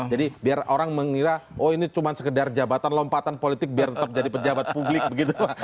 jadi biar orang mengira oh ini cuma sekedar jabatan lompatan politik biar tetap jadi pejabat publik begitu pak